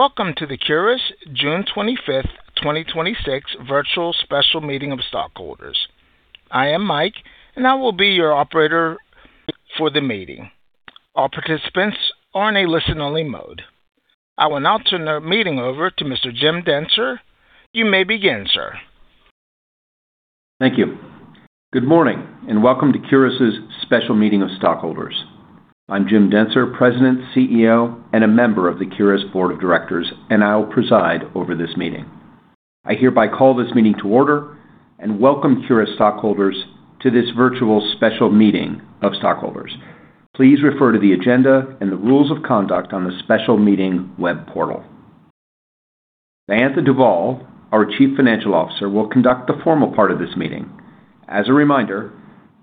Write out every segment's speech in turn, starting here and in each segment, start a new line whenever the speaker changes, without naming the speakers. Welcome to the Curis June 25th, 2026 virtual special meeting of stockholders. I am Mike, and I will be your operator for the meeting. All participants are in a listen-only mode. I will now turn the meeting over to Mr. Jim Dentzer. You may begin, sir.
Thank you. Good morning, and welcome to Curis' special meeting of stockholders. I'm Jim Dentzer, President, CEO, and a member of the Curis Board of Directors, and I will preside over this meeting. I hereby call this meeting to order and welcome Curis stockholders to this virtual special meeting of stockholders. Please refer to the agenda and the rules of conduct on the special meeting web portal. Diantha Duvall, our Chief Financial Officer, will conduct the formal part of this meeting. As a reminder,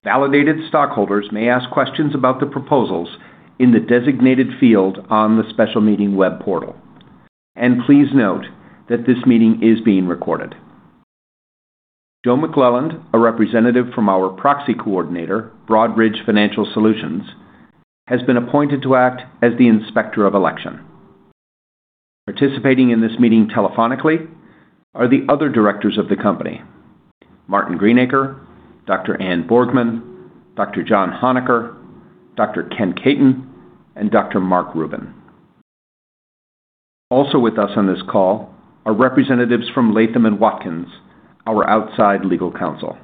validated stockholders may ask questions about the proposals in the designated field on the special meeting web portal. Please note that this meeting is being recorded. Joe McClelland, a representative from our proxy coordinator, Broadridge Financial Solutions, has been appointed to act as the Inspector of Election. Participating in this meeting telephonically are the other directors of the company, Martyn Greenacre, Dr. Anne Borgman, Dr. John Hohneker, Dr. Kenneth Kaitin, and Dr. Marc Rubin. Also with us on this call are representatives from Latham & Watkins, our outside legal counsel.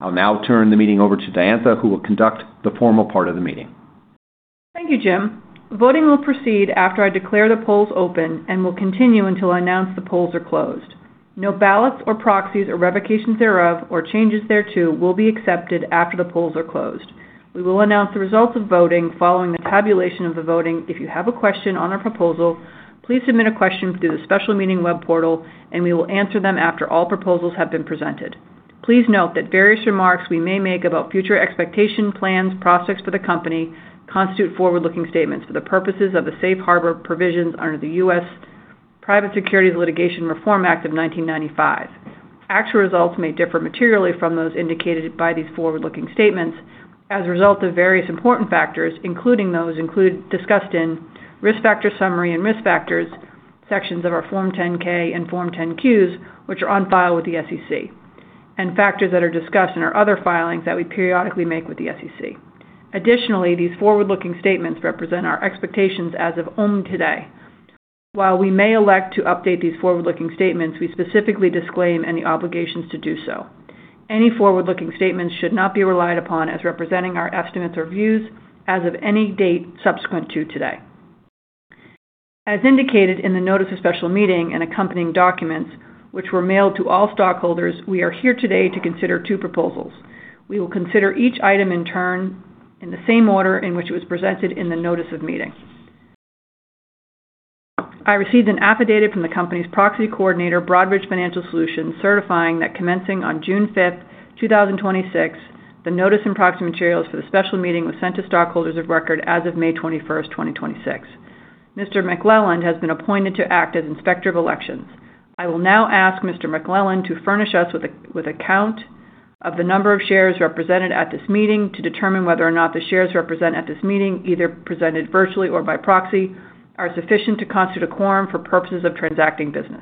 I'll now turn the meeting over to Diantha, who will conduct the formal part of the meeting.
Thank you, Jim. Voting will proceed after I declare the polls open and will continue until I announce the polls are closed. No ballots or proxies or revocations thereof or changes thereto will be accepted after the polls are closed. We will announce the results of voting following the tabulation of the voting. If you have a question on a proposal, please submit a question through the special meeting web portal, and we will answer them after all proposals have been presented. Please note that various remarks we may make about future expectation plans, prospects for the company constitute forward-looking statements for the purposes of the safe harbor provisions under the US Private Securities Litigation Reform Act of 1995. Actual results may differ materially from those indicated by these forward-looking statements as a result of various important factors, including those included, discussed in Risk Factor Summary and Risk Factors sections of our Form 10-K and Form 10-Qs, which are on file with the SEC, and factors that are discussed in our other filings that we periodically make with the SEC. Additionally, these forward-looking statements represent our expectations as of only today. While we may elect to update these forward-looking statements, we specifically disclaim any obligations to do so. Any forward-looking statements should not be relied upon as representing our estimates or views as of any date subsequent to today. As indicated in the Notice of Special Meeting and accompanying documents, which were mailed to all stockholders, we are here today to consider two proposals. We will consider each item in turn in the same order in which it was presented in the notice of meeting. I received an affidavit from the company's proxy coordinator, Broadridge Financial Solutions, certifying that commencing on June 5th, 2026, the notice and proxy materials for the special meeting was sent to stockholders of record as of May 21st, 2026. Mr. McClelland has been appointed to act as Inspector of Elections. I will now ask Mr. McClelland to furnish us with a count of the number of shares represented at this meeting to determine whether or not the shares represented at this meeting, either presented virtually or by proxy, are sufficient to constitute a quorum for purposes of transacting business.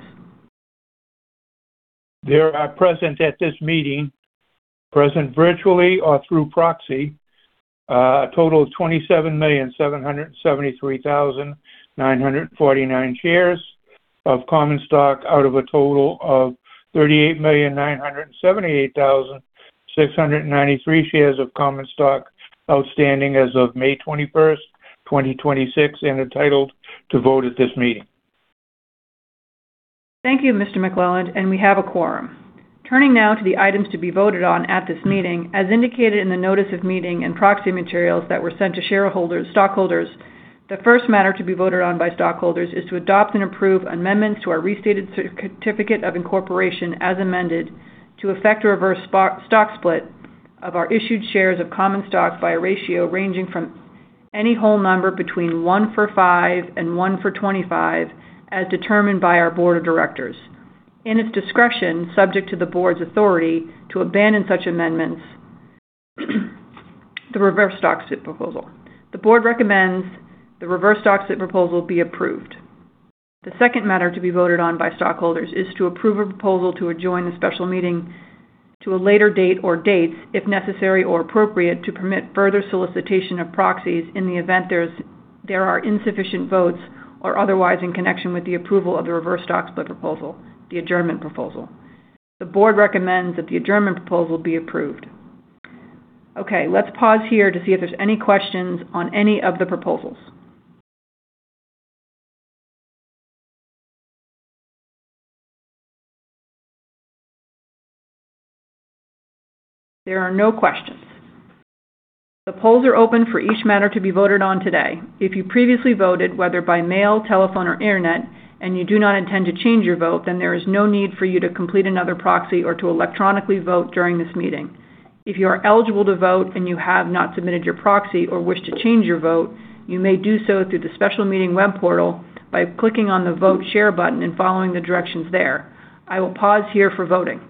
There are present at this meeting, present virtually or through proxy, a total of 27,773,949 shares of common stock out of a total of 38,978,693 shares of common stock outstanding as of May 21st, 2026 and entitled to vote at this meeting.
Thank you, Mr. McClelland. We have a quorum. Turning now to the items to be voted on at this meeting, as indicated in the notice of meeting and proxy materials that were sent to stockholders, the first matter to be voted on by stockholders is to adopt and approve amendments to our restated certificate of incorporation as amended to effect a reverse stock split of our issued shares of common stock by a ratio ranging from any whole number between one for five and one for 25, as determined by our board of directors. In its discretion, subject to the board's authority to abandon such amendments, the reverse stock split proposal. The board recommends the reverse stock split proposal be approved. The second matter to be voted on by stockholders is to approve a proposal to adjourn the special meeting to a later date or dates if necessary or appropriate to permit further solicitation of proxies in the event there are insufficient votes or otherwise in connection with the approval of the reverse stock split proposal, the adjournment proposal. The board recommends that the adjournment proposal be approved. Let's pause here to see if there's any questions on any of the proposals. There are no questions. The polls are open for each matter to be voted on today. If you previously voted, whether by mail, telephone or Internet, and you do not intend to change your vote, there is no need for you to complete another proxy or to electronically vote during this meeting. If you are eligible to vote and you have not submitted your proxy or wish to change your vote, you may do so through the special meeting web portal by clicking on the Vote Share button and following the directions there. I will pause here for voting.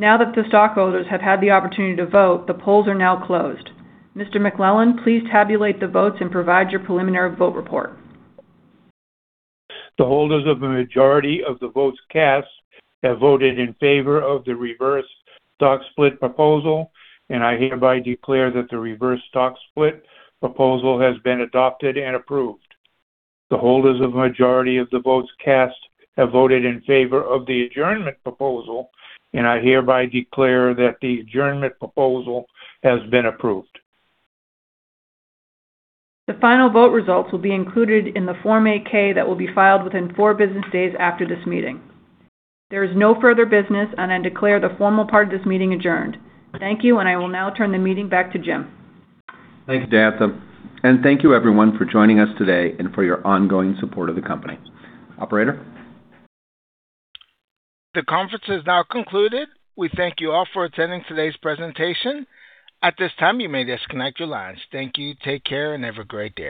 Now that the stockholders have had the opportunity to vote, the polls are now closed. Mr. McClelland, please tabulate the votes and provide your preliminary vote report.
The holders of the majority of the votes cast have voted in favor of the reverse stock split proposal. I hereby declare that the reverse stock split proposal has been adopted and approved. The holders of the majority of the votes cast have voted in favor of the adjournment proposal. I hereby declare that the adjournment proposal has been approved.
The final vote results will be included in the Form 8-K that will be filed within four business days after this meeting. There is no further business. I declare the formal part of this meeting adjourned. Thank you. I will now turn the meeting back to Jim.
Thank you, Diantha. Thank you everyone for joining us today and for your ongoing support of the company. Operator.
The conference is now concluded. We thank you all for attending today's presentation. At this time, you may disconnect your lines. Thank you, take care, and have a great day.